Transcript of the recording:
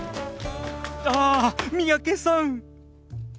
ああ三宅さん。